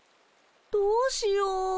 どうしよう。